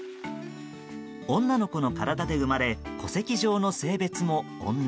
女の子の体で生まれ戸籍上の性別も女。